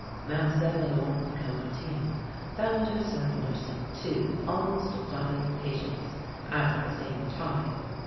Mlle. Olympe de Caumartin found herself nursing two almost dying patients at the same time.